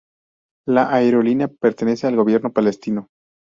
La aerolínea pertenece al gobierno palestino.